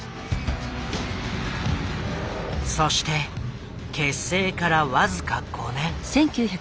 そして結成から僅か５年。